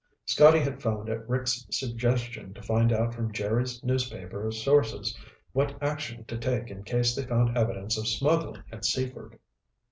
Scotty had phoned at Rick's suggestion to find out from Jerry's newspaper sources what action to take in case they found evidence of smuggling at Seaford.